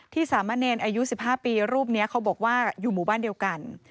สามะเนรอายุ๑๕ปีรูปนี้เขาบอกว่าอยู่หมู่บ้านเดียวกัน